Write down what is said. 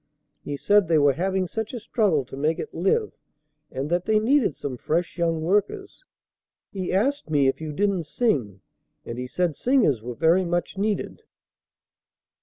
He said they were having such a struggle to make it live and that they needed some fresh young workers. He asked me if you didn't sing, and he said singers were very much needed."